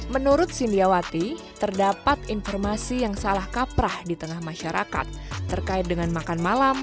menurut sindiawati terdapat informasi yang salah kaprah di tengah masyarakat terkait dengan makan malam